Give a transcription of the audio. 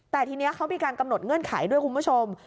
แต่ทีนี้เขามีการกำหนดเงื่อนไขด้วยคุณผู้ชม